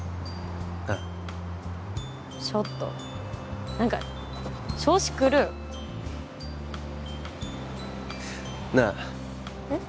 ああちょっと何か調子狂うなあうん？